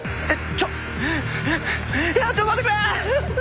ちょっと待ってくれ。